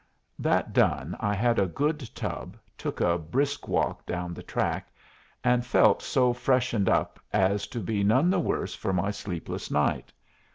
That done I had a good tub, took a brisk walk down the track, and felt so freshened up as to be none the worse for my sleepless night.